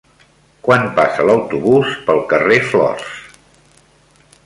Quan passa l'autobús pel carrer Flors?